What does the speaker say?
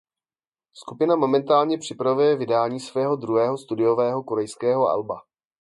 Skupina momentálně připravuje vydání svého druhého studiového korejského alba.